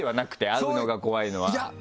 会うのが怖いのは。